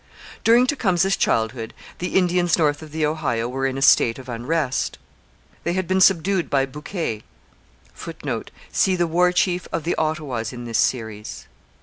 During Tecumseh's childhood the Indians north of the Ohio were in a state of unrest. They had been subdued by Bouquet, [footnote: See The War Chief of the Ottawas in this Series.